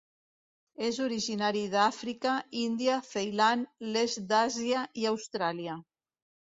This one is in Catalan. És originari d'Àfrica, Índia, Ceilan, l'est d'Àsia i Austràlia.